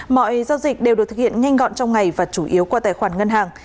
mọi giao dịch đều được thực hiện nhanh gọn trong ngày và chủ yếu qua tài khoản ngân hàng